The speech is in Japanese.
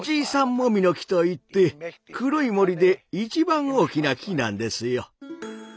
モミの木」といって黒い森で一番大きな木なんですよ。